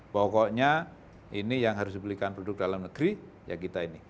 pokoknya ini yang harus dibelikan produk dalam negeri ya kita ini